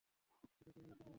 এটাকেই আমি প্ল্যান বলি।